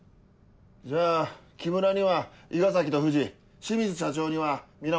じゃあ木村には伊賀崎と藤清水社長には源と山田で。